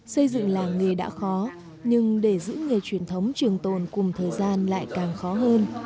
xây dựng làng nghề đã khó nhưng để giữ nghề truyền thống trường tồn cùng thời gian lại càng khó hơn